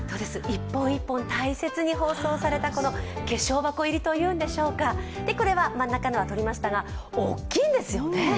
一本一本大切に包装された化粧箱入りの、これは真ん中のはとりましたが大きいんですよね。